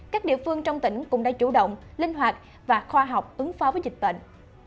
các địa phương trong tỉnh cũng đã chủ động linh hoạt và khoa học ứng phó với dịch bệnh